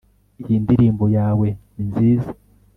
iyi ndirimbo yawe ni nziza